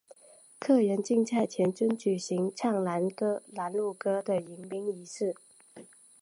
客人进寨前均举行唱拦路歌的迎宾仪式。